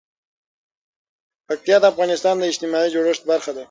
پکتیا د افغانستان د اجتماعي جوړښت برخه ده.